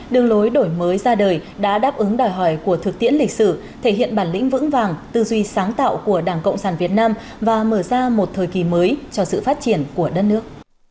đường lối đổi mới ra đời đã đáp ứng đòi hỏi của thực tiễn lịch sử thể hiện bản lĩnh vững vàng tư duy sáng tạo của đảng cộng sản việt nam và mở ra một thời kỳ mới cho sự phát triển của đất nước